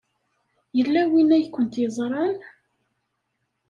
Yella win ay kent-yeẓran.